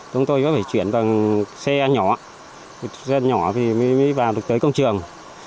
chúng tôi phải chuyển bằng xe nhỏ xe nhỏ mới vào tới công trường